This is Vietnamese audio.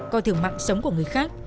coi thường mạng sống của người khác